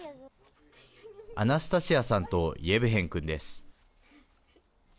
アナスタシアさんとイェブヘン君です。